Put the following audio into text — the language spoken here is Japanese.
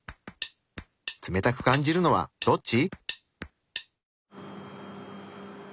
冷たく感じるのはどっち？